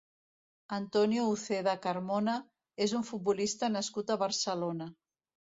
Antonio Uceda Carmona és un futbolista nascut a Barcelona.